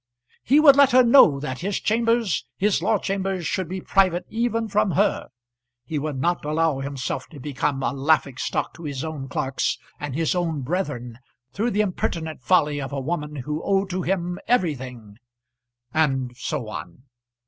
He would let her know that his chambers, his law chambers, should be private even from her. He would not allow himself to become a laughing stock to his own clerks and his own brethren through the impertinent folly of a woman who owed to him everything; and so on!